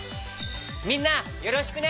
みんなよろしくね！